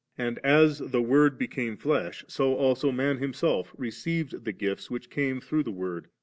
And as 'the Word became flesh 9/ so also man him self received the gifts which came through the Word.